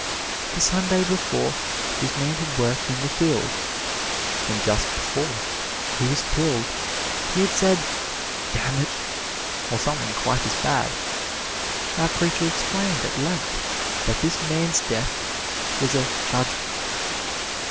The Sunday before, this man had worked in the fields, and just before he was killed he had said, "dammit," or something quite as bad. Our preacher explained at length that this man's death was a "judgment."